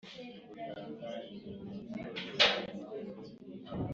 ishusho koranabuhanga ryayo n amakuru